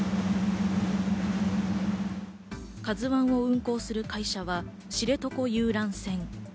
「ＫＡＺＵ１」を運航する会社は知床遊覧船。